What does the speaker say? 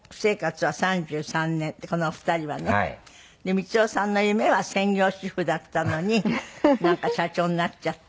光代さんの夢は専業主婦だったのになんか社長になっちゃって。